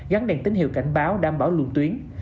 gắn đèn tín hiệu cảnh báo đảm bảo luận tuyến